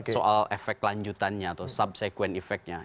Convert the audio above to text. soal efek lanjutannya atau sub sequent efeknya